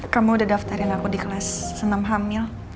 kamu udah daftarin aku di kelas senam hamil